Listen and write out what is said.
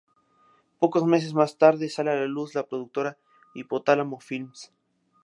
Pocos meses más tarde sale a la luz la productora Hipotálamo Films.